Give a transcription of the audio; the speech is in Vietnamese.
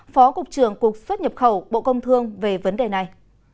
phó cục trưởng cục xuất nhập khẩu bộ công thương về vấn đề này